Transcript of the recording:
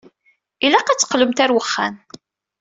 Ilaq ad teqqlemt ar wexxam.